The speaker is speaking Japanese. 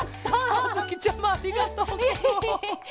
あづきちゃまありがとうケロ。